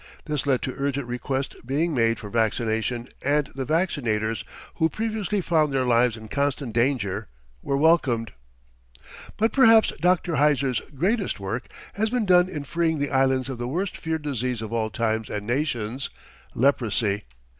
This led to urgent request being made for vaccination and the vaccinators who previously found their lives in constant danger were welcomed." But perhaps Dr. Heiser's greatest work has been done in freeing the Islands of the worst feared disease of all times and nations leprosy.